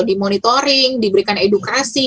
dimonitoring diberikan edukasi